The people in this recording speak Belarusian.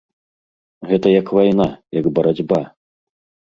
Гэта як вайна, як барацьба.